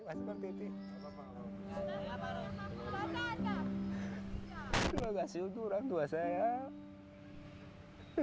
aduh gak siut tuh orang tua saya